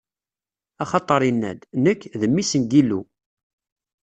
Axaṭer inna-d: Nekk, d Mmi-s n Yillu.